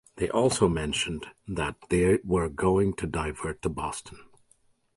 They also mentioned that they were going to divert to Boston.